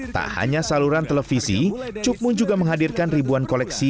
tak hanya saluran televisi cukmu juga menghadirkan ribuan koleksi